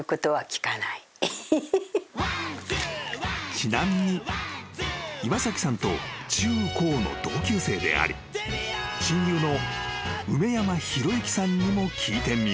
［ちなみに岩崎さんと中高の同級生であり親友の梅山弘之さんにも聞いてみると］